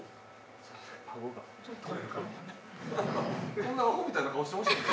そんなアホみたいな顔してましたっけ。